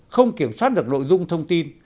không kiểm soát được nội dung thông tin